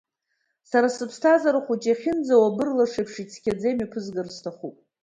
Сара сыԥсҭазаара хәыҷы, иахьынӡауа, абырлаш еиԥш ицқьаӡа, имҩаԥызгар сҭахуп.